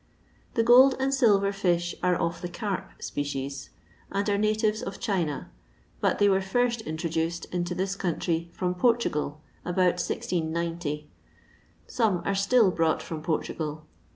The gold and silver fish are of the carp ipaciei^ and are natives of China, but they were first in troduced into this country from Portugal abont 1690. Some are still brought from Portqpl.